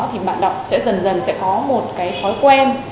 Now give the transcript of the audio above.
thì bạn đọc sẽ dần dần sẽ có một cái thói quen